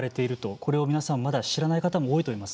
これを皆さん、まだ知らない方も多いと思います。